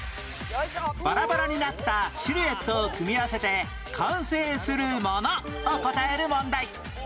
バラバラになったシルエットを組み合わせて完成するものを答える問題